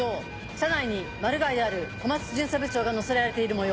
車内にマルガイである小松巡査部長が乗せられているもよう。